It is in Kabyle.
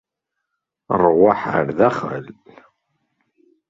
Ṛwaḥ ar daxel.